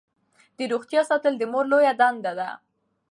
د روغتیا ساتل د مور لویه دنده ده.